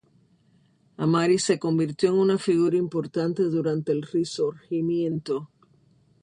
Amari se convirtió en una figura importante durante el Risorgimento.